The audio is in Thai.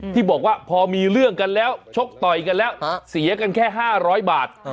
ที่บอกว่าพอมีเรื่องกันแล้วชกต่อยกันแล้วเสียกันแค่๕๐๐บาท